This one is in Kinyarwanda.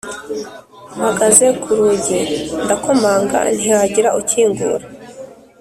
mpagaze kurugi ndakomanga ntihagire ukingura